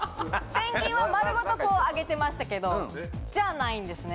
ペンギンは丸ごとあげてましたけどじゃないんですね